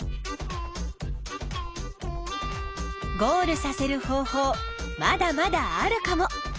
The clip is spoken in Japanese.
ゴールさせる方法まだまだあるかも！